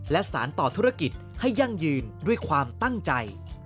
และสารต่อธุรกิจให้ยั่งยืนด้วยความตั้งใจ